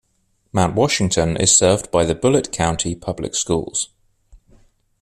Mount Washington is served by the Bullitt County Public Schools.